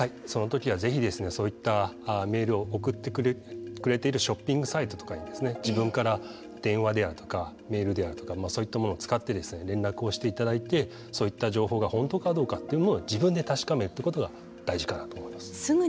そのときはぜひそういったメールを送ってくれているショッピングサイトとかに自分から電話であるとかメールであるとかそういったものを使って連絡をしていただいてそういった情報が本当かどうかというのを自分で確かめるということが大事かなと思います。